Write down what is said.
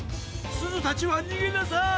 すずたちはにげなさい！